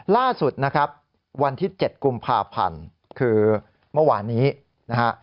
ล่าสุดนะครับวันที่๗กุมภาพันธ์คือเมื่อวานนี้นะฮะ